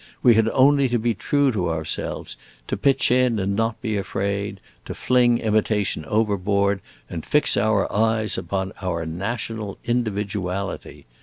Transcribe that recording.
We had only to be true to ourselves, to pitch in and not be afraid, to fling Imitation overboard and fix our eyes upon our National Individuality.